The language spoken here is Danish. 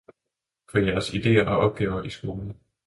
for jeres ideer og opgaver i skolen.